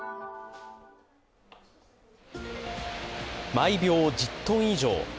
毎秒１０ｔ以上。